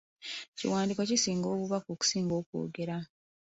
Ekiwandiiko kikuuma obubaka okusinga okwogera.